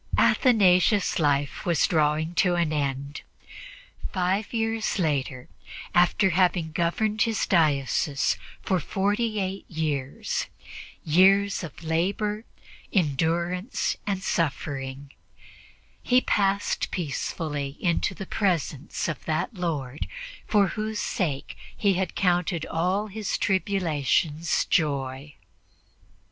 Athanasius' life was drawing to an end. Five years later, after having governed his diocese for forty eight years years of labor, endurance and suffering he passed peacefully into the presence of that Lord for whose sake he had counted all his tribulations as joy.